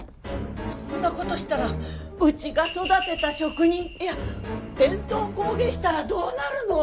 そんなことしたらうちが育てた職人いや伝統工芸士たらどうなるの！？